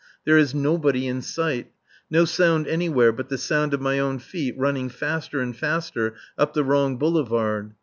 There is nobody in sight. No sound anywhere but the sound of my own feet running faster and faster up the wrong boulevard.